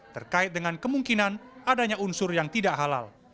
terkait dengan kemungkinan adanya unsur yang tidak halal